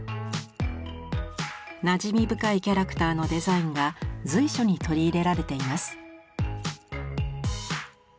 なじみ深いキャラクターのデザインが随所に取り入れられています。